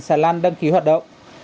xà lan đăng ký hoạt động